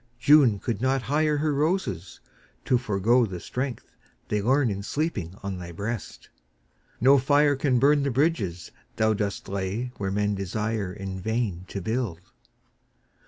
June could not hire Her roses to forego the strength they learn In sleeping on thy breast. No fires can burn The bridges thou dost lay where men desire In vain to build.